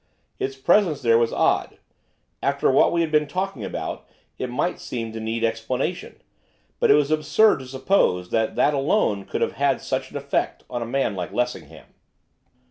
Its presence there was odd, after what we had been talking about it might seem to need explanation; but it was absurd to suppose that that alone could have had such an effect on a man like Lessingham.